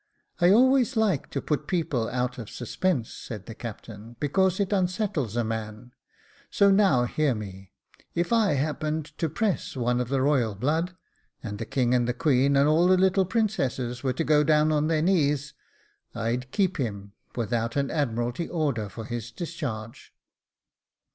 " I always like to put people out of suspense," said the captain, " because it unsettles a man — so now hear me ; if I happened to press one of the blood royal, and the king, and the queen, and all the little princesses were to go down on their knees, I'd keep him, without an Admiralty order for his discharge.